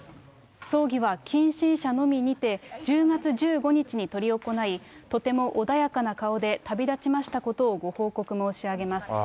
葬儀は近親者のみにて、１０月１５日に執り行い、とても穏やかな顔で旅立ちましたことをご報告申し上げます。